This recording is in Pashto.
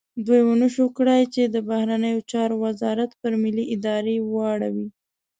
دوی ونه شو کړای چې د بهرنیو چارو وزارت پر ملي ارادې واړوي.